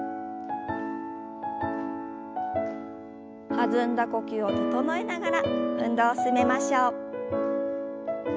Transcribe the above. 弾んだ呼吸を整えながら運動を進めましょう。